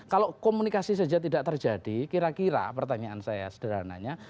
kalau komunikasi saja tidak terjadi kira kira pertanyaan saya sederhananya